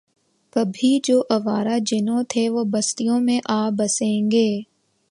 کبھی جو آوارۂ جنوں تھے وہ بستیوں میں آ بسیں گے